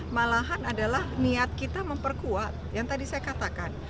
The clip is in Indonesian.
malahan adalah niat kita memperkuat yang tadi saya katakan